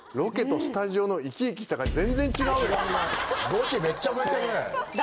ロケめっちゃ向いてるね。